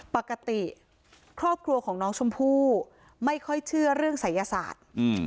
ปกติครอบครัวของน้องชมพู่ไม่ค่อยเชื่อเรื่องศัยศาสตร์